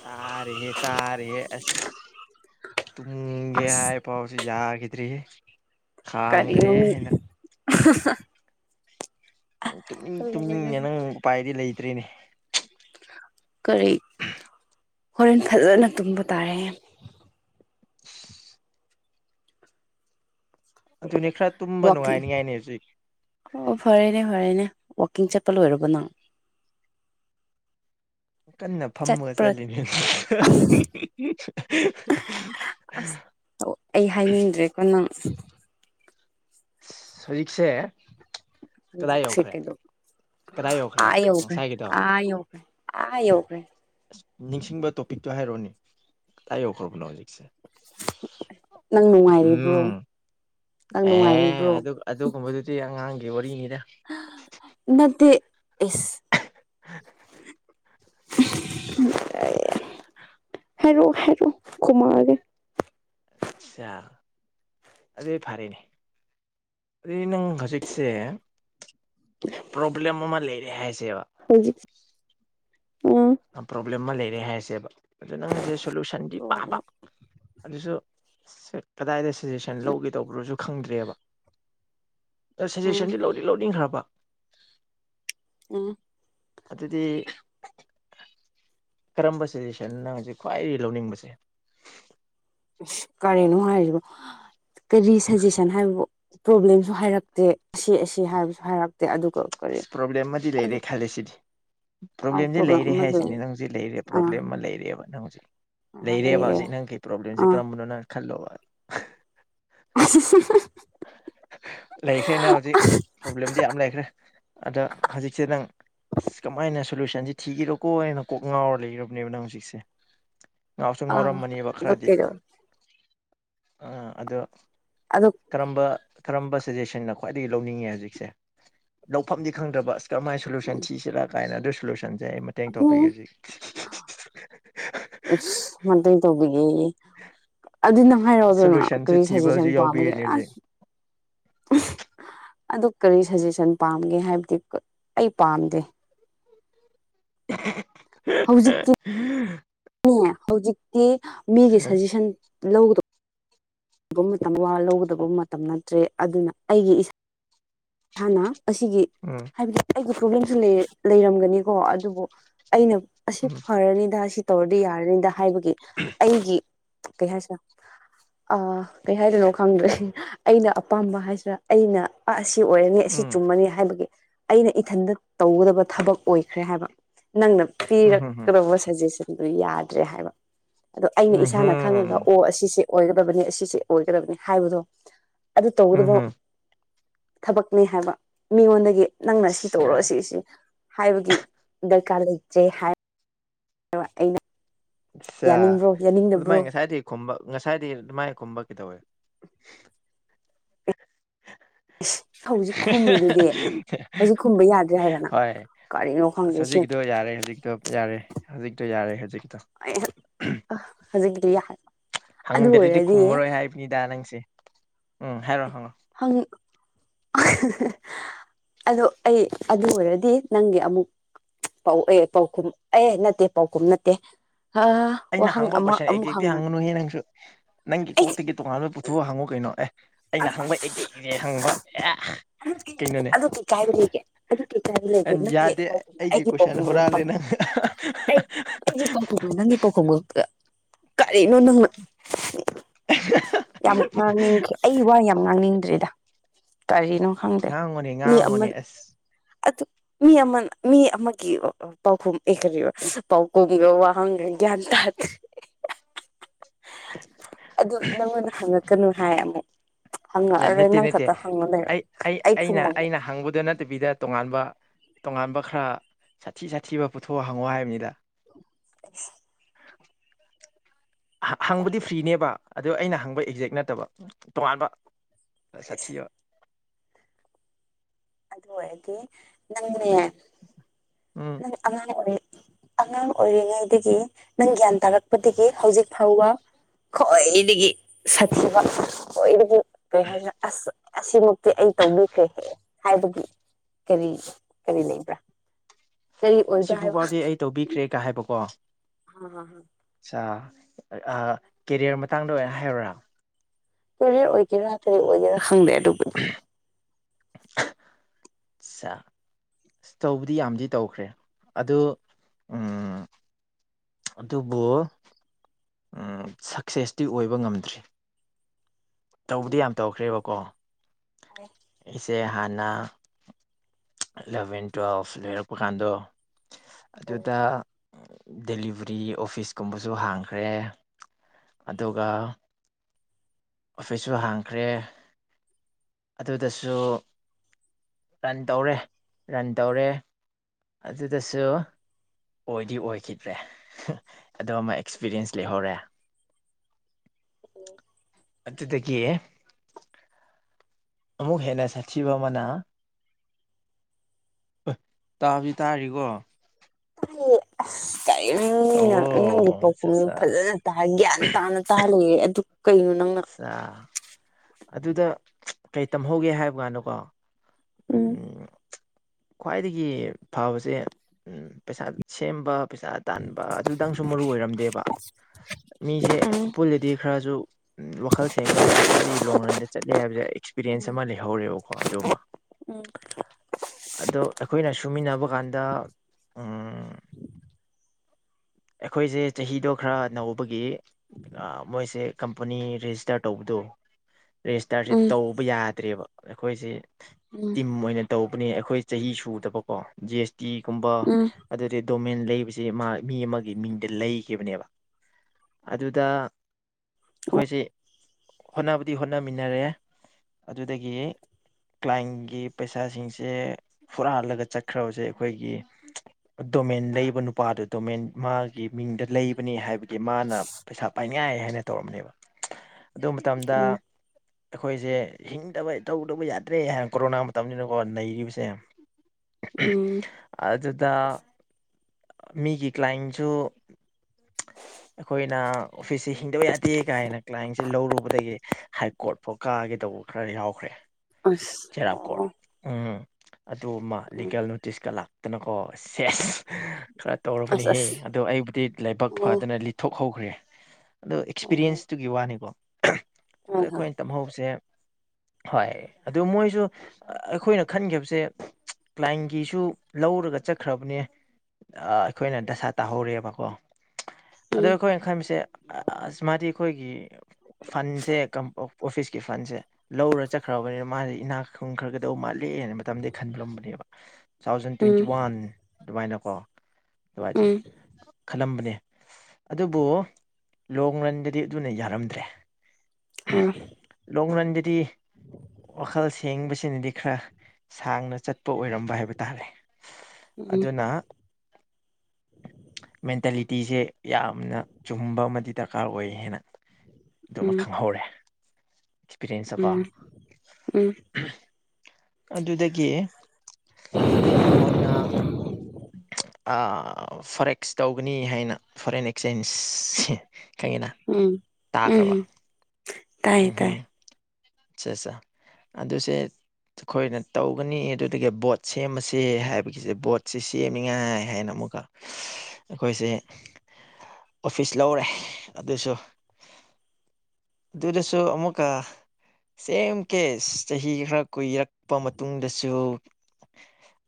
ꯇꯥꯔꯦꯍꯦ ꯇꯥꯔꯦꯍꯦ ꯑꯁ ꯇꯨꯡꯒꯦ ꯑꯁ ꯍꯥꯏ- ꯄꯥꯎꯁꯤ ꯌꯥꯒꯗ꯭ꯔꯤ ꯀꯔꯤꯅꯨꯃꯤ ꯇꯨꯝꯅꯤꯡ ꯇꯨꯝꯅꯤꯡꯉꯦ ꯅꯪ ꯎꯄꯥꯏꯗꯤ ꯂꯩꯇ꯭ꯔꯤꯅꯦ ꯀꯔꯤ ꯍꯣꯔꯦꯟ ꯐꯖꯅ ꯇꯨꯝꯕ ꯇꯥꯔꯦ ꯑꯗꯨꯅꯤ ꯈꯔ ꯇꯨꯝꯕ ꯋꯥꯀꯤꯡ ꯅꯨꯡꯉꯥꯏꯅꯤꯉꯥꯏꯅꯤ ꯍꯧꯖꯤꯛ ꯑꯣ ꯐꯔꯦꯅꯦ ꯐꯔꯦꯅꯦ ꯋꯥꯥꯛꯀꯤꯡ ꯆꯄꯜ ꯑꯣꯏꯔꯕ ꯅ ꯀꯟꯅ ꯐꯝꯃꯒ ꯆꯠꯄ꯭ꯔꯥ ꯆꯠꯂꯤꯅꯦ ꯑꯁ ꯑꯩ ꯍꯥꯏꯅꯤꯡꯗ꯭ꯔꯦꯀꯣ ꯅꯪ ꯍꯧꯖꯤꯛꯁꯦ ꯀꯗꯥꯏ ꯌꯧꯈ꯭ꯔꯦ ꯀꯗꯨ ꯀꯗꯥꯏ ꯌꯧꯈ꯭ꯔꯦ ꯑ ꯌꯧꯒ꯭ꯔꯦ ꯉꯁꯥꯏꯒꯤꯗꯣ ꯑ ꯌꯣꯒ꯭ꯔ ꯑ ꯌꯧꯒ꯭ꯔꯦ ꯑꯁ ꯅꯤꯡꯁꯤꯡꯕ ꯇꯣꯄꯤꯛꯇꯣ ꯍꯥꯏꯔꯛꯑꯣꯅꯦ ꯀꯗꯥꯏ ꯌꯧꯈ꯭ꯔꯕꯅꯣ ꯍꯧꯖꯤꯛꯁꯦ ꯅꯪ ꯅꯨꯡꯉꯥꯏꯔꯤꯕ꯭ꯔꯣ ꯎꯝ ꯅꯪ ꯅꯨꯡꯉꯥꯏꯔꯤꯕ꯭ꯔꯣ ꯑꯦ ꯑꯗꯨ ꯑꯗꯨꯒꯨꯝꯕꯗꯨꯗꯤ ꯑꯉꯥꯡꯒꯤ ꯋꯥꯔꯤꯅꯤꯗ ꯅꯠꯇꯦ ꯏꯁ [inaudible] ꯍꯥꯏꯔꯣ ꯍꯥꯏꯔꯣ ꯈꯨꯝꯃꯒꯦ ꯑꯠꯆꯥ ꯑꯗꯨꯗꯤ ꯐꯔꯦꯅꯦ ꯑꯗꯨ ꯅꯪ ꯍꯧꯖꯤꯛꯁꯦ ꯄ꯭ꯔꯣꯕ꯭ꯂꯦꯝ ꯑꯃ ꯂꯩꯔꯦ ꯍꯥꯏꯁꯦꯕ ꯍꯧꯖꯤꯛ ꯑꯎ ꯄ꯭ꯔꯣꯕ꯭ꯂꯦꯝ ꯑꯃ ꯂꯩꯔꯦ ꯍꯥꯏꯔꯁꯦꯕ ꯑꯗꯣ ꯅꯪꯁꯦ ꯁꯣꯂꯨꯁꯟꯗꯤ ꯄꯥꯝꯕ ꯑꯗꯨꯁꯨ ꯀꯗꯥꯏꯗ ꯁꯖꯦꯁꯟ ꯂꯧꯒꯦꯇꯧꯕ꯭ꯔꯁꯨ ꯈꯪꯗ꯭ꯔꯦꯕ ꯑ ꯎꯝ ꯁꯖꯦꯁꯟꯁꯤ ꯂꯧꯗꯤ ꯂꯧꯅꯤꯡꯈ꯭ꯔꯕ ꯑꯎ ꯑꯗꯨꯗꯤ ꯀꯔꯝꯕ ꯁꯖꯦꯁꯟꯅ ꯍꯧꯖꯤꯛ ꯈ꯭ꯋꯥꯏꯗꯒꯤ ꯂꯧꯅꯤꯡꯕꯁꯦ ꯑ ꯀꯔꯤꯅꯣ ꯍꯥꯏꯔꯤꯕ ꯀꯔꯤ ꯁꯖꯦꯁꯟ ꯍꯥꯏꯕꯕꯨ ꯄ꯭ꯔꯣꯕ꯭ꯂꯦꯝꯁꯨ ꯍꯥꯏꯔꯛꯇꯦ ꯑꯁꯤ ꯑꯁꯤ ꯍꯥꯏꯕꯁꯨ ꯍꯥꯏꯔꯦ ꯑꯥꯁ ꯄ꯭ꯔꯣꯕꯂꯦꯝ ꯑꯃꯗꯤ ꯂꯩꯔꯦ ꯈꯜꯗꯦꯁꯤꯗꯤ ꯑꯗꯨꯝ ꯄ꯭ꯔꯣꯕ꯭ꯂꯦꯝꯁꯦ ꯄ꯭ꯔꯣꯕ꯭ꯂꯦꯝ ꯂꯩꯔꯦ ꯑꯃ ꯂꯩ ꯍꯥꯏꯁꯤꯅꯤ ꯅꯪ ꯍꯧꯖꯤꯛ ꯂꯩꯔꯦ ꯑꯥ ꯄ꯭ꯔꯣꯕ꯭ꯂꯦꯝ ꯑꯃ ꯂꯩꯔꯦꯕ ꯅꯪ ꯍꯧꯁꯤꯛ ꯑꯥ ꯂꯩꯔꯦꯕ ꯂꯩꯔꯦ ꯍꯧꯖꯤꯛ ꯅꯪꯒꯤ ꯄ꯭ꯔꯣꯕ꯭ꯂꯦꯝꯁꯦ ꯑꯥ ꯀꯔꯝꯕꯅꯣ ꯅꯪ ꯈꯜꯂꯣꯕ ꯑ ꯂꯩꯈ꯭ꯔꯦ ꯅꯪ ꯍꯧꯖꯤꯛ ꯄ꯭ꯔꯣꯕ꯭ꯂꯦꯝꯗꯤ ꯌꯥꯝ ꯂꯩꯈ꯭ꯔꯦ ꯑꯗꯣ ꯍꯧꯖꯤꯛꯁꯦ ꯅꯪ ꯑꯁ ꯀꯃꯥꯏꯅ ꯁꯣꯂꯨꯁꯟꯁꯤ ꯊꯤꯈꯤꯔꯣꯀꯣ ꯍꯥꯏꯅ ꯀꯣꯛ ꯉꯥꯎꯔ ꯂꯩꯔꯕꯅꯦꯕ ꯅꯪ ꯍꯧꯖꯤꯛꯁꯦ ꯉꯥꯎꯁꯨ ꯑꯥ ꯉꯥꯎꯔꯝꯃꯅꯤꯕ ꯑꯗꯨ ꯈꯔꯗꯤ ꯀꯩꯗꯧ ꯑ ꯑꯗꯣ ꯑꯗꯨꯗ ꯀꯔꯝꯕ ꯀꯔꯝꯕ ꯁꯖꯦꯁꯟꯅ ꯈ꯭ꯋꯥꯏꯗꯒꯤ ꯂꯧꯅꯤꯡꯉꯦ ꯍꯧꯖꯤꯛꯁꯦ ꯂꯧꯐꯝꯗꯤ ꯈꯪꯗ꯭ꯔꯕ ꯀꯃꯥꯏꯅ ꯁꯣꯂꯨꯁꯟ ꯊꯤꯁꯤꯂꯔ ꯀꯥꯏꯅ ꯑꯗꯨ ꯁꯣꯂꯨꯁꯟꯁꯦ ꯑꯩ ꯃꯇꯦꯡ ꯇꯧꯕꯤꯒꯦꯖꯤ ꯑꯥꯁ ꯃꯇꯦꯡ ꯇꯧꯕꯤꯒꯦ ꯍꯥꯏ ꯑꯗꯨꯅ ꯍꯥꯏꯔꯛꯑꯣꯗꯅ ꯁꯣꯂꯨꯁꯟꯁꯤ ꯀꯔꯤ ꯊꯤꯕ ꯁꯖꯦꯁꯟ ꯍꯧꯖꯤꯛ ꯄꯥꯝꯒꯦ ꯌꯥꯎꯕꯤꯔꯤꯅꯦ ꯍꯧꯖꯤꯛ ꯑꯁ ꯑꯗꯨ ꯀꯔꯤ ꯁꯖꯦꯁꯟ ꯄꯥꯝꯒꯦ ꯍꯥꯏꯕꯗꯤ ꯑꯩ ꯄꯥꯝꯗꯦ ꯍꯥ ꯍꯧꯖꯤꯛꯇꯤ ꯍꯧꯖꯤꯛꯇꯤ ꯃꯤꯒꯤ ꯁꯖꯦꯁꯟ ꯂꯧꯒꯗ ꯑꯗꯨꯒꯨꯝꯕ ꯃꯇꯝ ꯋꯥ ꯂꯧꯗꯒꯨꯝꯕ ꯇꯝ ꯅꯠꯇ꯭ꯔꯦ ꯑꯗꯨꯅ ꯑꯩꯒꯤ ꯏꯁ [inaudible] ꯏꯁꯥꯅ ꯑꯁꯤꯒꯤ ꯎꯝ ꯍꯥꯏꯕꯗꯤ ꯑꯩꯒꯤ ꯄ꯭ꯔꯣꯕ꯭ꯂꯦꯝꯁꯨ ꯂꯩꯔꯝꯒꯅꯤꯀꯣ ꯑꯗꯨꯕꯨ ꯑꯩꯅ ꯑꯁꯤ ꯐꯔꯅꯤꯗ ꯑꯁꯤ ꯇꯧꯔꯗꯤ ꯌꯥꯔꯅꯤꯗ ꯍꯥꯏꯕꯒꯤ ꯑꯩꯒꯤ ꯀꯩ ꯍꯥꯏꯁꯤꯔ ꯀꯩ ꯍꯥꯏꯗꯣꯏꯅꯣ ꯈꯪꯗ꯭ꯔꯦ ꯑꯩꯅ ꯑꯄꯥꯝꯕ ꯍꯥꯏꯁꯤꯔ ꯑꯩꯅ ꯑ ꯑꯁꯤ ꯑꯣꯏꯔꯅꯤ ꯑꯁꯤ ꯎꯝ ꯆꯨꯝꯃꯅꯤ ꯍꯥꯏꯕꯒꯤ ꯑꯩꯅ ꯏꯊꯟꯇ ꯇꯧꯒꯗꯕ ꯊꯕꯛ ꯑꯣꯏꯈ꯭ꯔꯦ ꯍꯥꯏꯕ ꯅꯪꯅ ꯎꯝ ꯎꯝ ꯄꯤꯔꯛꯀꯗꯕ ꯁꯖꯦꯁꯟ ꯌꯥꯗ꯭ꯔꯦ ꯍꯥꯏꯕ ꯑꯗꯣ ꯑꯩꯅ ꯎꯝ ꯎꯝ ꯏꯁꯥꯅ ꯈꯪꯉꯒ ꯎꯝ ꯎꯝ ꯑꯣ ꯑꯁꯤꯁꯦ ꯑꯣꯏ ꯕꯅꯤ ꯑꯁꯤꯁꯦ ꯑꯣꯏꯒꯗꯕꯅꯤ ꯍꯥꯏꯕꯗꯣ ꯑꯗꯨ ꯎꯝ ꯇꯧꯒꯗꯕꯥ ꯎꯝ ꯊꯕꯛꯅꯦ ꯍꯥꯏꯕ ꯃꯤꯉꯣꯟꯗꯒꯤ ꯅꯪꯅ ꯁꯤ ꯑꯆꯥ ꯇꯧꯔꯛꯑꯣ ꯁꯤꯁꯦ ꯍꯥꯏꯕꯒꯤ ꯗꯔꯀꯥꯔ ꯂꯩꯇꯔꯦ ꯍꯥꯏ ꯑꯩꯅ ꯑꯆꯥ ꯌꯥꯅꯤꯡꯕ꯭ꯔꯣ ꯑꯗꯨꯃꯥꯏ ꯌꯥꯅꯤꯡꯗꯕ꯭ꯔꯣ ꯉꯁꯥꯏꯗꯒꯤ ꯈꯨꯝꯕ ꯉꯁꯥꯏꯗꯒꯤ ꯑꯗꯨꯃꯥꯏꯅ ꯈꯨꯝꯕ ꯀꯩꯗꯧꯋꯦ ꯍꯧꯖꯤꯛ ꯈꯨꯝꯃꯤꯗꯨꯗꯤ [unintelligible] ꯍꯧꯖꯤꯛ ꯈꯨꯝꯕ ꯌꯥꯗ꯭ꯔꯦ ꯍꯥꯏꯕꯅ ꯍꯣꯏ ꯀꯔꯤꯅꯣ ꯑꯁ ꯈꯪꯗꯦ ꯁꯤ ꯍꯧꯖꯤꯛꯇꯣ ꯌꯥꯔꯦ ꯍꯧꯖꯤꯛꯇꯣ ꯌꯥꯔꯦ ꯍꯧꯖꯤꯛꯇꯣ ꯌꯥꯔꯦ ꯍꯧꯖꯤꯛꯇꯣ ꯑꯦ ꯑ ꯍꯧꯖꯤꯛꯀꯤꯗꯣ ꯌꯥꯔꯦ ꯑꯗꯨ ꯑꯣꯏꯔꯗꯤ ꯅꯤꯗꯥ ꯅꯪꯁꯦ ꯎꯝ ꯍꯥꯏꯔꯛꯑꯣ ꯍꯪꯉꯣ ꯍꯪ [unintelligible] ꯑꯗꯣ ꯑꯩ ꯑꯗꯨ ꯑꯣꯏꯔꯗꯤ ꯅꯪꯒꯤ ꯑꯃꯨꯛ ꯄꯥꯎ ꯑꯦ ꯄꯥꯎꯈꯨꯝ ꯑꯦ ꯅꯠꯇꯦ ꯄꯥꯎꯈꯨꯝ ꯅꯠꯇꯦ ꯑ ꯑꯩꯅ ꯍꯪꯕ ꯀꯣꯏꯁꯟ ꯑꯦꯛꯖꯦꯛꯇꯤ ꯍꯪꯉꯨꯅꯨꯍꯦ ꯅꯪꯁꯨ ꯅꯪꯒꯤ ꯑꯩ ꯀꯣꯛꯇꯒꯤ ꯇꯣꯉꯥꯟꯕ ꯄꯨꯊꯣꯛꯑ ꯍꯪꯉꯨ ꯀꯩꯅꯣ ꯑꯦ ꯑꯩꯅ ꯍꯪꯕ ꯑꯦꯖꯦꯛ ꯑꯦꯖꯦꯛ ꯍꯪꯕ ꯑꯦ ꯀꯩꯅꯣꯅꯦ ꯑꯗꯨ ꯀꯩ ꯀꯥꯏꯕ ꯂꯩꯒꯦ ꯑꯗꯨ ꯀꯩ ꯀꯥꯏꯕ ꯂꯩꯒꯦ ꯅꯪꯒꯤ ꯌꯥꯗꯦ ꯄꯥꯎꯈꯨꯝꯒ ꯑꯩꯒꯤ ꯀꯣꯏꯁꯟ ꯄꯥꯎꯈꯨꯝꯒ ꯍꯨꯔꯥꯜꯂꯦ ꯅꯪ ꯑꯩ ꯑꯩꯒꯤ ꯄꯥꯎꯈꯨꯝꯒ ꯅꯪꯒꯤ ꯄꯥꯎꯈꯨꯝꯒ ꯀꯔꯤꯅꯣ ꯅꯪꯅ ꯌꯥꯝ [unintelligible] ꯑꯩ ꯋꯥ ꯌꯥꯝ ꯉꯥꯡꯅꯤꯡꯗ꯭ꯔꯦꯗ ꯀꯔꯤꯅꯣ ꯈꯪꯗꯦ ꯉꯥꯡꯉꯨꯅꯦ ꯃꯤ ꯑꯃ ꯉꯥꯡꯉꯨꯅꯦ ꯑꯁ ꯑꯗꯨ ꯃꯤ ꯑꯃꯅ ꯃꯤ ꯑꯃꯒꯤ ꯄꯥꯎꯈꯨꯝ ꯑꯦ ꯀꯔꯤꯔꯣ ꯄꯥꯎꯈꯨꯝꯒ ꯋꯥꯍꯪꯒ ꯒ꯭ꯌꯥꯟ ꯇꯥꯗ꯭ꯔꯦ [inaudible] ꯑꯗꯨ ꯅꯪꯉꯣꯟꯗ ꯍꯪꯉꯛꯀꯅꯨ ꯍꯥꯏ ꯑꯃꯨꯛ ꯍꯪꯉꯛꯑꯔꯣꯏ ꯅꯠꯇꯦ ꯅꯪ ꯅꯠꯇꯦ ꯈꯛꯇ ꯍꯪꯉ ꯂꯩꯔꯣ ꯑꯩ-ꯑꯩ ꯑꯩ ꯈꯨꯝꯃꯒ ꯑꯩꯅ-ꯑꯩꯅ ꯍꯪꯕꯗꯣ ꯅꯠꯇꯕꯤꯗ ꯇꯣꯉꯥꯟꯕ ꯇꯣꯉꯥꯟꯕ ꯈꯔ ꯁꯥꯊꯤ ꯁꯥꯊꯤꯕ ꯄꯨꯊꯣꯛ ꯍꯪꯉꯣ ꯍꯥꯏꯕꯅꯤꯗ [inaudible] ꯍꯪꯕꯗꯤ ꯈꯪꯗꯦ ꯐ꯭ꯔꯤꯅꯦꯕ ꯑꯗꯨ ꯑꯩꯅ ꯍꯪꯕ ꯑꯦꯛꯖꯦꯛ ꯅꯠꯇꯕ ꯇꯣꯉꯥꯟꯕ ꯁꯥꯊꯤꯕ ꯑꯗꯨ ꯑꯣꯏꯗꯤ ꯅꯪꯅꯦ ꯎꯝ ꯑꯉꯥꯡ ꯑꯣꯏ ꯑꯉꯥꯡ ꯑꯣꯏꯔꯤꯉꯩꯗꯒꯤ ꯅꯪ ꯒ꯭ꯌꯥꯟ ꯇꯥꯔꯛꯄꯗꯒꯤ ꯍꯧꯖꯤꯛ ꯐꯥꯎꯕ ꯈꯣꯏꯗꯒꯤ ꯁꯥꯊꯤꯕ [unintelligible] ꯑꯁ ꯑꯁꯤꯃꯛꯇꯤ ꯑꯩ ꯇꯧꯕꯤꯈ꯭ꯔꯦꯍꯦ ꯍꯥꯏꯕꯒꯤ ꯀꯔꯤ ꯀꯔꯤ ꯂꯩꯕ꯭ꯔꯥ ꯀꯔꯤ ꯑꯣꯏꯕ꯭ꯔꯥ ꯁꯤꯕꯨ ꯍꯥꯏꯕ ꯐꯥꯎꯗꯤ ꯑꯩ ꯇꯧꯕꯤꯈ꯭ꯔꯦꯒ ꯍꯥꯏꯕꯀꯣ ꯑ ꯑ ꯀꯦꯔꯤꯌꯔ ꯃꯇꯥꯡꯗ ꯑꯣꯏꯅ ꯍꯥꯏꯌꯨꯔꯥ ꯀꯔꯤꯌꯔ ꯑꯣꯏꯒꯦꯔꯥ ꯀꯔꯤ ꯑꯣꯏꯒꯦꯔꯥ ꯈꯪꯗꯦ ꯑꯗꯨꯕꯨ [inaudible] ꯑꯆꯥ ꯇꯧꯕꯗꯤ ꯌꯥꯝꯗꯤ ꯇꯧꯈ꯭ꯔꯦ ꯑꯗꯨ ꯎꯝ ꯑꯗꯨꯕꯨ ꯁꯛꯁꯦꯁꯇꯤ ꯑꯣꯏꯕ ꯉꯝꯗ꯭ꯔꯤ ꯇꯧꯕꯗꯤ ꯌꯥꯝ ꯇꯧꯈ꯭ꯔꯦꯕꯀꯣ ꯏꯆꯦ ꯍꯥꯟꯅꯥ ꯏꯂꯚꯦꯟ ꯇꯨꯋꯦꯜꯐ ꯂꯣꯏꯔꯛꯄ ꯀꯥꯟꯗꯣ ꯑꯗꯨꯗ ꯗꯦꯂꯤꯚꯔꯤ ꯑꯣꯐꯤꯁꯀꯨꯝꯕꯁꯨ ꯍꯥꯡ ꯈ꯭ꯔꯦ ꯑꯗꯨꯒ ꯑꯣꯐꯤꯁꯁꯨ ꯍꯥꯡꯈ꯭ꯔꯦ ꯑꯗꯨꯗꯁꯨ ꯔꯟ ꯇꯧꯔꯦ ꯔꯟ ꯇꯧꯔꯦ ꯑꯗꯨꯗꯁꯨ ꯑꯣꯏꯗꯤ ꯑꯣꯏꯈꯤꯗ꯭ꯔꯦ ꯑꯗꯨ ꯑꯃ ꯑꯦꯛꯁꯄꯤꯔꯤꯌꯦꯟꯁ ꯂꯩꯍꯧꯔꯦ [inaudible] [unintelligible] ꯑꯗꯨꯗꯒꯤ ꯑꯃꯨꯛ ꯍꯦꯟꯅ ꯁꯥꯠꯊꯤꯕ ꯑꯃꯅ [unintelligible] ꯇꯥꯕꯗꯤ ꯇꯥꯔꯤꯀꯣ ꯑꯁ ꯑꯣ [unintelligible] ꯅꯪꯒꯤ ꯑꯠꯆꯥ ꯄꯥꯎꯈꯨꯝ ꯑꯠꯆꯥ ꯐꯖꯅ [unintelligible] ꯒ꯭ꯌꯥꯟ ꯇꯥꯅ ꯇꯥ ꯂꯩꯌꯦ ꯑꯗꯨ ꯀꯩꯅꯣ ꯅꯪꯅ ꯑ ꯑꯗꯨꯗ ꯀꯩ ꯇꯝꯍꯧꯒꯦ ꯍꯥꯏꯕ ꯀꯥꯟꯗꯀꯣ ꯎꯝ ꯈ꯭ꯋꯥꯏꯗꯒꯤ ꯐꯕꯁꯦ ꯄꯩꯁꯥ ꯁꯦꯝꯕ ꯄꯩꯁꯥ ꯇꯥꯟꯕ ꯑꯗꯨꯗꯪꯁꯨ ꯃꯔꯨ ꯑꯣꯏꯔꯝꯗꯦꯕ ꯃꯤꯁꯦ ꯎꯝ ꯄꯨꯂꯤꯗꯤ ꯈꯔꯁꯨ ꯋꯥꯈꯜ ꯁꯦꯡꯕꯅꯗꯤ ꯈ꯭ꯋꯥꯏꯗꯒꯤ ꯂꯣꯡ ꯔꯟꯗ ꯆꯠꯂꯦ ꯍꯥꯏꯕꯖꯦ ꯑꯦꯛꯁꯄꯤꯔꯤꯌꯦꯟꯁ ꯑꯃ ꯂꯩꯍꯧꯔꯦꯕꯀꯣ ꯑꯗꯨꯃ ꯎꯝ ꯑꯗꯣ ꯑꯩꯈꯣꯏꯅ ꯁꯨꯃꯤꯟꯅꯕ ꯀꯥꯟꯗ ꯑꯩꯈꯣꯏꯖꯦ ꯆꯍꯤꯗꯣ ꯈꯔ ꯅꯧꯕꯒꯤ ꯑ ꯃꯣꯏꯁꯦ ꯀꯝꯄꯅꯤ ꯔꯦꯖꯤꯁꯇꯔ ꯇꯧꯕꯗꯨ ꯔꯦꯖꯤꯁꯇꯥꯔꯁꯦ ꯎꯝ ꯇꯧꯕ ꯌꯥꯗ꯭ꯔꯦꯕ ꯑꯩꯈꯣꯏꯁꯦ ꯇꯤꯝ ꯑꯣꯏꯅ ꯇꯧꯕꯅꯦ ꯑꯩꯈꯣꯏ ꯆꯍꯤ ꯁꯨꯗꯕꯀꯣ ꯖꯤ ꯑꯦꯁ ꯇꯤꯒꯨꯝꯕ ꯎꯝ ꯑꯗꯨꯗꯤ ꯗꯣꯃꯦꯟ ꯂꯩꯕꯁꯤ ꯃꯥ ꯃꯤ ꯑꯃ ꯒꯤ ꯃꯤꯡꯗ ꯂꯩꯒꯤꯕꯅꯦꯕ ꯑꯗꯨꯗ ꯎꯝ ꯎꯝ ꯑꯩꯈꯣꯏꯁꯦ ꯍꯣꯠꯅꯕꯗꯤ ꯍꯣꯠꯅꯃꯤꯟꯅꯔꯦ ꯑꯗꯨꯗꯒꯤ ꯀ꯭ꯂꯥꯏꯟꯒꯤ ꯄꯩꯁꯥꯁꯤꯡꯁꯦ ꯍꯨꯔꯥꯜꯂꯒ ꯆꯠꯈ꯭ꯔꯕꯁꯦ ꯑꯩꯈꯣꯏꯒꯤ ꯗꯣꯃꯦꯟ ꯂꯩꯕ ꯅꯨꯄꯥꯗꯨ ꯗꯣꯃꯦꯟ ꯃꯥꯒꯤ ꯃꯤꯡꯗ ꯂꯩꯕꯅꯤ ꯍꯥꯏꯕꯒꯤ ꯃꯥꯅ ꯄꯩꯁꯥ ꯄꯥꯏ ꯌꯥꯏ ꯍꯥꯏꯅ ꯇꯧꯔꯝꯃꯅꯦꯕ ꯑꯗꯨ ꯃꯇꯝꯗ ꯎꯝ ꯑꯩꯈꯣꯏꯁꯦ ꯍꯤꯡꯗꯕ ꯇꯧꯗꯕ ꯌꯥꯗ꯭ꯔꯦ ꯍꯥꯏꯅ ꯀꯣꯔꯣꯅꯥ ꯃꯇꯝꯅꯤꯅꯀꯣ ꯅꯩꯔꯤꯕꯁꯦ ꯎꯝ ꯑꯗꯨꯗ ꯃꯤꯒꯤ ꯀ꯭ꯂꯥꯏꯟꯁꯨ ꯑꯩꯈꯣꯏꯅ ꯑꯣꯐꯤꯁꯁꯦ ꯍꯤꯡꯗꯕ ꯌꯥꯗꯦ ꯀꯥꯏꯅ ꯀ꯭ꯂꯥꯏꯟꯁꯦ ꯂꯧꯔꯨꯕꯗꯒꯤ ꯍꯥꯏ ꯀꯣꯔꯠ ꯐꯥꯎ ꯀꯥꯒꯦ ꯇꯧꯕ ꯈꯔ ꯌꯥꯎꯈ꯭ꯔꯦ ꯑꯁ ꯆꯩꯔꯥꯎ ꯀꯣꯔꯠ ꯑꯣ ꯎꯝ ꯑꯗꯨ ꯑꯃ ꯎꯝ ꯂꯤꯒꯦꯜ ꯇꯤꯁꯀ ꯂꯥꯛꯇꯅꯀꯣ ꯁꯦꯁ ꯈꯔ ꯑꯁ ꯇꯧꯔꯕꯅꯤꯍꯦ ꯑꯁ ꯑꯗꯣ ꯑꯩꯕꯨꯗꯤ ꯂꯥꯏꯕꯛ ꯑꯣ ꯐꯗꯅ ꯂꯤꯠꯊꯣꯛꯍꯧꯈ꯭ꯔꯦ ꯑꯗꯣ ꯑꯣ ꯑꯦꯛꯁꯄꯤꯔꯤꯌꯦꯟꯁ ꯇꯨꯒꯤ ꯋꯥꯅꯤꯀꯣ ꯑꯗꯨꯗ ꯑꯩꯈꯣꯏꯅ ꯇꯝꯍꯧꯕꯁꯦ ꯍꯣꯏ ꯑꯗꯨ ꯃꯣꯏꯖꯨ ꯑ ꯑꯩꯈꯣꯏꯅ ꯈꯟꯒꯤꯕꯁꯦ ꯀ꯭ꯂꯥꯏꯟꯒꯤꯁꯨ ꯂꯧꯔꯒ ꯆꯠꯈ꯭ꯔꯕꯅꯦ ꯑꯥ ꯑꯩꯈꯣꯏꯅ ꯗꯁꯥ ꯇꯥꯍꯧꯔꯦꯕꯀꯣ ꯑꯗꯣ ꯎꯝ ꯑꯩꯈꯣꯏꯅ ꯈꯟꯕꯁꯦ ꯑꯁ ꯃꯥꯗꯤ ꯑꯩꯈꯣꯏꯒꯤ ꯐꯟꯁꯦ ꯑꯣꯐꯤꯁꯀꯤ ꯐꯟꯁꯦ ꯂꯧꯔ ꯆꯠꯈ꯭ꯔꯕꯅꯤꯅ ꯃꯥꯗꯤ ꯏꯅꯥꯛ ꯈꯨꯟꯈ꯭ꯔꯒꯗꯧ ꯃꯥꯜꯂꯤ ꯑꯅꯥ ꯃꯇꯝꯗꯩ ꯈꯟꯂꯝꯕꯅꯦꯕ two thousand twenty um one ꯑꯗꯨꯃꯥꯏꯅꯀꯣ [unintelligible] ꯎꯝ ꯈꯜꯂꯝꯕꯅꯦ ꯑꯗꯨꯕꯨ ꯂꯣꯡ ꯔꯟꯗ ꯗꯤ ꯑꯗꯨꯅ ꯌꯥꯔꯝꯗ꯭ꯔꯦ ꯎꯝ ꯂꯣꯡ ꯔꯟꯗꯗꯤ ꯋꯥꯈꯜ ꯁꯦꯡꯕꯁꯤꯅꯗꯤ ꯈꯔ ꯁꯥꯡꯅ ꯆꯠ ꯄ ꯑꯣꯏꯔꯝꯕ ꯍꯥꯏꯕ ꯇꯥꯔꯦ ꯎꯝ ꯑꯗꯨꯅ ꯃꯦꯟꯇꯦꯂꯤꯇꯤꯁꯦ ꯌꯥꯝꯅ ꯆꯨꯝꯕ ꯑꯃꯗꯤ ꯗꯔꯀꯥꯔ ꯑꯣꯏ ꯍꯥꯏꯅ ꯑꯗꯨꯃ ꯎꯝ ꯈꯪꯍꯧꯔꯦ ꯑꯦꯛꯁꯄꯤꯔꯤꯌꯦꯟꯁꯇꯀꯣ ꯎꯝ ꯎꯝ ꯑꯗꯨꯗꯒꯤ ꯑꯃꯨꯛ ꯀꯣꯟꯅ ꯐꯣꯔꯦꯛꯁ ꯇꯧꯒꯅꯤ ꯍꯥꯏꯅ ꯐꯣꯔꯦꯟ ꯑꯦꯛꯆꯦꯟꯁꯁ ꯀꯩꯅꯣ ꯎꯝ ꯇꯥꯈ꯭ꯔꯕ ꯎꯝ ꯇꯥꯏꯌꯦ ꯇꯥꯏ ꯎꯝꯝ ꯇꯥꯏ ꯑꯠꯆꯥ ꯑꯠꯆꯥ ꯑꯗꯨꯁꯦ ꯑꯩꯈꯣꯏꯅ ꯇꯧꯒꯅꯤ ꯑꯗꯨꯗꯒꯤ ꯕꯣꯠ ꯁꯦꯝꯃꯁꯦ ꯍꯥꯏꯕꯒꯤꯁꯦ ꯕꯣꯠꯁꯦ ꯁꯦꯝꯃꯤꯉꯥꯏ ꯍꯥꯏꯅ ꯑꯃꯨꯛꯀ ꯑꯩꯈꯣꯏꯁꯦ ꯑꯣꯐꯤꯁ ꯂꯧꯔꯦ ꯑꯗꯨꯁꯨ ꯑꯗꯨꯗꯁꯨ ꯑꯃꯨꯛꯀ ꯁꯦꯝ ꯀꯦꯁ ꯆꯍꯤ ꯈ꯭ꯔꯥ ꯀꯨꯏꯔꯛꯄ ꯃꯇꯨꯡꯗꯁꯨ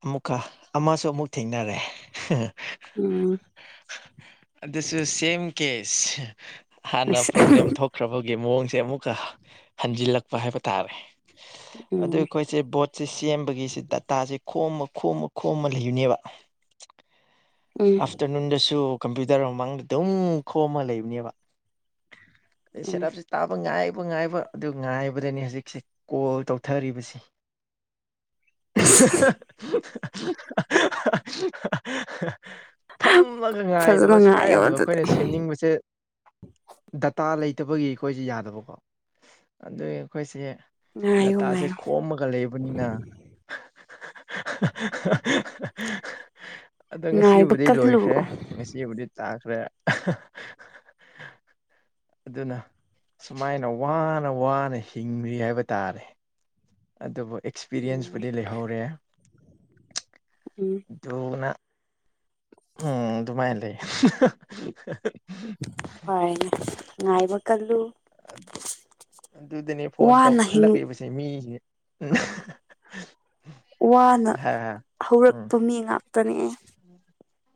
ꯑꯃꯨꯛꯀ ꯑꯃꯁꯨ ꯑꯃꯨꯛ ꯊꯦꯡꯅꯔꯦ ꯎꯝ ꯑꯗꯨꯁꯨ ꯁꯦꯝ ꯀꯦꯁ ꯍꯥꯟꯅ ꯑꯁ ꯄ꯭ꯔꯣꯕ꯭ꯂꯦꯝ ꯊꯣꯛꯈ꯭ꯔꯕ ꯒꯤ ꯃꯑꯣꯡꯁꯦ ꯑꯃꯨꯛꯀ ꯍꯟꯖꯤꯜꯂꯛꯄ ꯍꯥꯏꯕ ꯇꯥꯔꯦ ꯑꯗꯨ ꯎꯝ ꯑꯩꯈꯣꯏ ꯁꯦ ꯕꯣꯠꯁꯦ ꯁꯦꯝꯕꯒꯤꯁꯦ ꯗꯇꯥꯁꯦ ꯈꯣꯝꯃ ꯈꯣꯝꯃ ꯈꯣꯝꯃ ꯂꯩꯕꯅꯦꯕ ꯎꯝ ꯑꯐꯇꯔꯅꯨꯟꯗꯁꯨ ꯀꯝꯄ꯭ꯌꯨꯇꯔ ꯃꯃꯥꯡꯗ ꯑꯗꯨꯝ ꯈꯣꯝꯃ ꯂꯩꯕꯅꯦꯕ ꯎꯝ ꯇꯞꯁ ꯇꯥꯕ ꯉꯥꯏꯕ ꯉꯥꯏꯕ ꯑꯗꯨ ꯉꯥꯏꯕꯗꯅꯤ ꯍꯧꯖꯤꯛꯁꯦ ꯀꯣꯜ ꯇꯧꯊꯔꯤꯕꯁꯤ [unintelligible] ꯍꯥꯍꯥꯍꯥ [inaudible] ꯐꯝꯃꯒ ꯐꯖꯅ ꯉꯥꯏꯗꯕ ꯁꯨꯡꯌꯥ ꯉꯥꯏꯌꯣ ꯌꯥꯗꯕ ꯑꯗꯨꯗꯤ ꯑꯩꯈꯣꯏꯅ ꯁꯦꯝꯅꯤꯡꯕꯁꯦ ꯗꯇꯥ ꯂꯩ ꯍꯠꯇꯕꯒꯤ ꯑꯩꯈꯣꯏꯁꯦ ꯌꯥꯗꯕꯀꯣ ꯑꯗꯨ ꯑꯩꯈꯣꯏꯁꯦ ꯉꯥꯏꯌꯣ ꯗꯇꯥꯁꯦ ꯉꯥꯏꯌꯣ ꯀꯣꯝꯃꯒ ꯂꯩꯕꯅꯤꯅ ꯑꯗꯣ ꯉꯥꯏꯕ ꯉꯁꯤꯕꯨꯗꯤ ꯀꯜꯂꯨ ꯂꯣꯏꯈ꯭ꯔꯦ ꯉꯁꯤꯕꯨꯗꯤ ꯇꯥꯈ꯭ꯔꯦ ꯑꯗꯨꯅ ꯁꯨꯃꯥꯏꯅ ꯋꯥꯅ ꯋꯥꯅ ꯍꯤꯡꯂꯤ ꯍꯥꯏꯕ ꯇꯥꯔꯦ ꯑꯗꯨꯕꯨ ꯎꯝ ꯑꯦꯛꯁꯄꯤꯔꯤꯌꯦꯟꯁꯄꯨꯗꯤ ꯂꯩꯍꯧꯔꯦ ꯎꯝ ꯗꯨꯅ ꯎꯝ ꯑꯗꯨꯃꯥꯏꯅ ꯂꯩ ꯍꯣꯢ ꯉꯥꯏꯕ ꯀꯜꯂꯨ ꯑꯗꯨꯗꯅꯦ ꯐꯣꯟ ꯇꯧ ꯋꯥꯅ ꯍꯤꯡ ꯈꯜꯂꯛꯏꯕꯁꯦ ꯃꯤꯁꯦ ꯋꯥꯅ ꯍꯥꯏ ꯍꯥꯏ ꯍꯧꯔꯛꯄ ꯃꯤ ꯉꯥꯛꯇꯅꯦ ꯎꯝ [inaudible]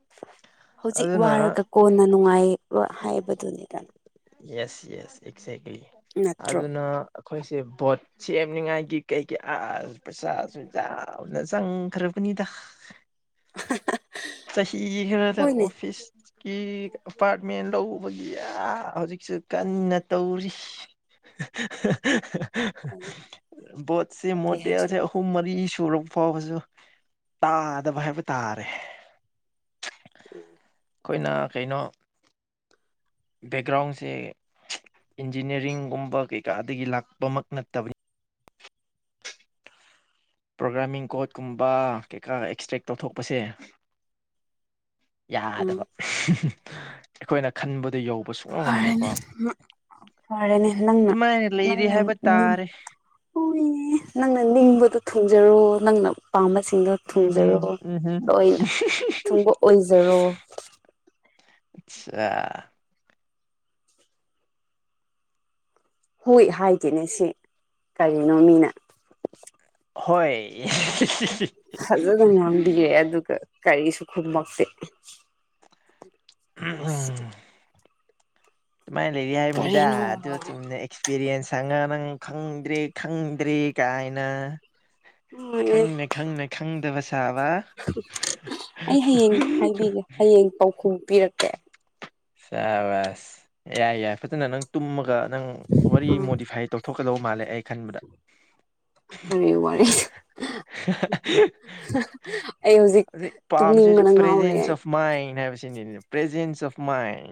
ꯍꯧꯖꯤꯛ ꯑꯗꯨꯅ ꯋꯥꯔꯒ ꯀꯣꯟꯅ ꯅꯨꯡꯉꯥꯏꯕ ꯍꯥꯏꯕꯗꯨꯅꯤꯗ ꯌꯦꯁ ꯌꯦꯁ ꯑꯦꯛꯖꯦꯛꯂꯤ ꯅꯠꯇ꯭ꯔꯣ ꯑꯗꯨꯅ ꯑꯩꯈꯣꯏꯁꯦ ꯕꯣꯠ ꯁꯦꯝꯅꯤꯡꯉꯥꯏꯒꯤ ꯀꯩꯒꯤ ꯑꯥꯁ ꯄꯩꯁꯥ ꯆꯥꯎꯅ ꯆꯪꯈ꯭ꯔꯕꯅꯤꯗ ꯆꯍꯤ ꯈꯔꯗ ꯍꯣꯏꯅꯦ ꯑꯣꯐꯤꯁꯀꯤ ꯑꯦꯄꯥꯔꯠꯃꯦꯟ ꯂꯧꯕꯒꯤ ꯌꯥ ꯍꯧꯖꯤꯛꯁꯨ ꯀꯟꯅ ꯇꯧꯔꯤ ꯑꯗꯣ ꯄꯣꯠꯁꯤ ꯀꯩ ꯃꯣꯗꯦꯜ ꯍꯥꯏꯁꯤꯔꯥ ꯄꯨꯡ ꯃꯔꯤ ꯁꯨꯔꯕ ꯐꯥꯎꯕꯁꯨ ꯇꯥꯗꯕ ꯍꯥꯏꯕ ꯇꯥꯔꯦ ꯎꯝ ꯑꯩꯈꯣꯏꯅ ꯀꯩꯅꯣ ꯕꯦꯛꯒ꯭ꯔꯥꯎꯟꯁꯦ ꯏꯟꯖꯤꯅꯤꯌꯥꯔꯤꯡꯒꯨꯝꯕ ꯀꯩꯀꯥꯗꯒꯤ ꯂꯥꯛꯄꯃꯛ ꯅꯠꯇꯕꯅ ꯄ꯭ꯔꯣꯒꯥ꯭ꯔꯥꯃꯤꯡ ꯀꯣꯠ ꯀꯨꯝꯕ ꯀꯩꯀꯥ ꯑꯦꯛꯁꯇ꯭ꯔꯦꯛ ꯇꯧꯊꯣꯛꯄꯁꯦ ꯎꯝ ꯌꯥꯗꯕ ꯑꯩꯈꯣꯏꯅ ꯈꯟꯕꯗ ꯌꯧ ꯐꯔꯦꯅꯦ ꯐꯔꯦꯅꯦ ꯅꯪꯅ ꯑꯗꯨꯃꯥꯏꯅ ꯂꯩꯔꯤ ꯅꯪꯅ ꯍꯥꯏꯕ ꯅꯤꯡ ꯇꯥꯔꯦ ꯍꯣꯏꯅꯦ ꯅꯪꯅ ꯅꯤꯡꯕꯗꯣ ꯊꯨꯡꯖꯔꯣ ꯅꯪꯅ ꯄꯥꯝꯕꯁꯤꯡꯗꯣ ꯎꯝꯍꯝ ꯊꯨꯡꯖꯔꯣ ꯎꯝꯍꯝ ꯂꯣꯏꯅ ꯊꯨꯡꯕ ꯑꯣꯏꯖꯔꯣ ꯑꯆꯥ [inaudible] ꯍꯣꯏ ꯍꯥꯏꯒꯦꯅꯦ ꯁꯤ ꯀꯔꯤꯅꯣ ꯃꯤꯅ ꯍꯣꯏ ꯐꯖꯅ ꯉꯥꯡꯕꯤꯔꯦ ꯑꯗꯨꯒ ꯀꯔꯤꯁꯨ ꯈꯨꯨꯃꯛꯇꯦ ꯁꯤ ꯑꯗꯨꯃꯥꯏꯅ ꯂꯩꯔꯤ ꯍꯥꯏꯕꯅꯤꯗ ꯀꯔꯤꯅꯣ ꯑꯗꯨ ꯆꯨꯝꯅ ꯑꯦꯛꯁꯄꯤꯔꯤꯌꯦꯟꯁꯪꯉ ꯅꯪ ꯈꯪꯗ꯭ꯔꯤ ꯈꯪꯗ꯭ꯔꯤ ꯀꯥꯏꯅ ꯍꯣꯏꯅꯦ ꯈꯪꯅ ꯈꯪꯅ ꯈꯪꯗꯕ ꯁꯥꯕ ꯑꯩ ꯍꯌꯦꯡ ꯍꯥꯏꯕꯤꯒꯦ ꯍꯌꯦꯡ ꯄꯥꯎꯈꯨꯝ ꯄꯤꯔꯛꯀꯦ ꯁꯥꯕꯁ ꯌꯥꯏ ꯌꯥꯏ ꯐꯖꯅ ꯅꯪ ꯇꯨꯝꯃꯒ ꯅꯪ ꯋꯥꯔꯤ ꯃꯣꯗꯤꯐꯥꯏ ꯇꯧꯊꯣꯛꯀꯗꯧꯕ ꯃꯥꯜꯂꯦ ꯑꯩꯅ ꯈꯟꯕꯗ ꯋꯥꯔꯤꯗꯣ ꯑꯩ ꯍꯧꯖꯤꯛ ꯑ ꯄꯥꯝ ꯇꯨꯝꯅꯤꯡꯕꯅ ꯄ꯭ꯔꯦꯖꯦꯟꯁ ꯉꯥꯎꯔꯦ ꯑꯣꯐ ꯃꯥꯏꯟ ꯍꯥꯏꯕꯁꯤꯅꯤ ꯄ꯭ꯔꯖꯦꯟꯁ ꯑꯣꯐ ꯃꯥꯏꯟ